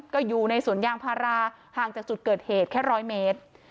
ก็อยู่ในสวนยางพาราห่างจากจุดเกิดเหตุแค่๑๐๐เมตร